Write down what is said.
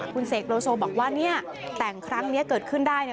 คุณเศกโลโซบอกว่าแต่งครั้งนี้เกิดขึ้นได้